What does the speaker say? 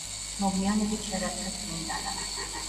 მოგვიანებით შერაცხეს წმინდანად.